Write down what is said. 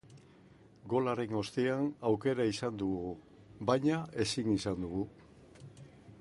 Golaren ostean aukera izan dugu, baina ezin izan dugu.